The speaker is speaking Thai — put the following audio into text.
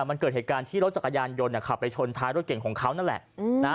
มันเกิดเหตุการณ์ที่รถจักรยานยนต์ขับไปชนท้ายรถเก่งของเขานั่นแหละ